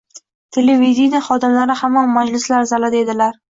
televideniye xodimlari hamon majlislar zalida edilar.